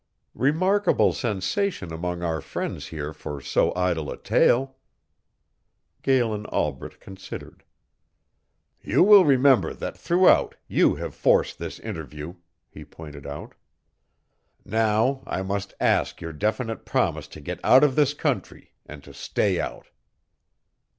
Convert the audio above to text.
"Remarkable sensation among our friends here for so idle a tale." Galen Albret considered. "You will remember that throughout you have forced this interview," he pointed out. "Now I must ask your definite promise to get out of this country and to stay out."